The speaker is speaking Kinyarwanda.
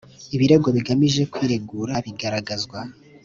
Ibirego bigamije kwiregura bigaragazwa